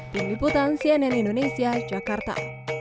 tim liputan cnn indonesia jakarta